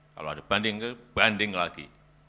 kalau ada banding lagi